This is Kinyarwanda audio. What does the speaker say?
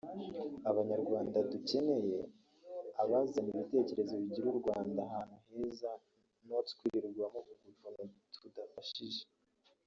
abanyarwanda dukeneye abazana ibitekerezo bigira urwanda ahantu heza not kwirirwa muvuga utuntu tudafashije